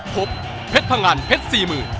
พบเพชรพังอันเพชรสี่หมื่น